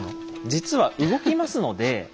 実は動きますので。